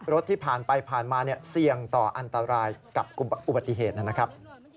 ที่ผ่านไปผ่านมาเสี่ยงต่ออันตรายกับอุบัติเหตุนะครับ